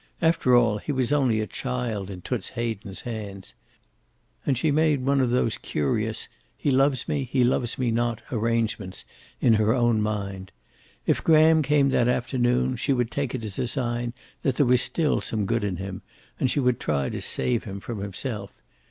After all, he was only a child in Toots Hayden's hands. And she made one of those curious "He loves me he loves me not" arrangements in her own mind. If Graham came that afternoon, she would take it as a sign that there was still some good in him, and she would try to save him from himself.